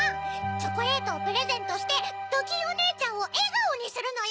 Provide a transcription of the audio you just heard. チョコレートをプレゼントしてドキンおねえちゃんをえがおにするのよ！